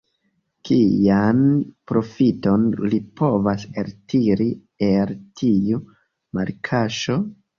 Kian profiton li povas eltiri el tiu malkaŝo?